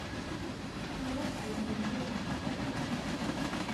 Tqarr-as-d dakken tra-t.